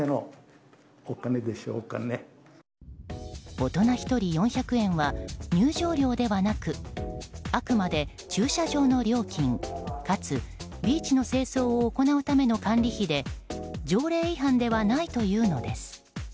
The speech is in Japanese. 大人１人４００円は入場料ではなくあくまで駐車場の料金かつビーチの清掃を行うための管理費で条例違反ではないというのです。